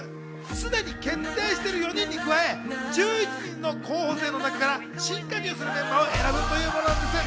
すでに決定している４人に加え１１人の高校生の中から新加入するメンバーを選ぶというものなんです。